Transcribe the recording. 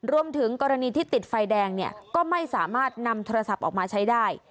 รวมถึงกรณีที่ติดไฟแดงเนี่ยก็ไม่สามารถนำโทรศัพท์ออกมาใช้ได้